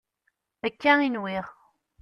Akka i nwiɣ.